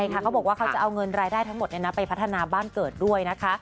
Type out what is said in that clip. เขาบอกว่าเขาจะเอาเงินรายได้ทั้งหมดไปพัฒนาบ้านเกิดด้วยนะคะ